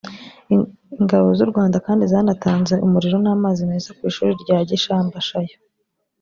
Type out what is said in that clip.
Ingabo z’u Rwanda kandi zanatanze umuriro n’amazi meza ku Ishuri rya Gishambashayo